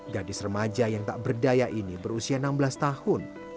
gadis remaja yang tak berdaya ini berusia enam belas tahun